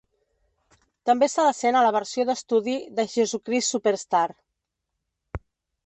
També se la sent a la versió d'estudi de "Jesus Christ Superstar".